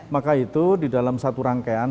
maka itu di dalam satu rangkaian